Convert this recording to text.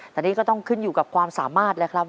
แต่นี่ก็ต้องขึ้นอยู่กับความสามารถแล้วครับ